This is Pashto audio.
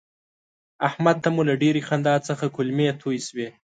احمد ته مو له ډېرې خندا څخه کولمې توی شوې.